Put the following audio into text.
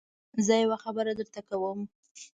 زه يوه خبره درته کوم.